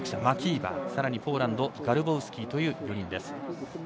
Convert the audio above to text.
マキーバーさらにポーランドガルボウスキという４人です。